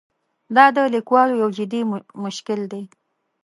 دا د لیکوالو یو جدي مشکل دی.